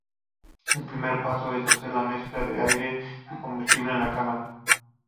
El primer paso es hacer la mezcla de aire y combustible en la cámara.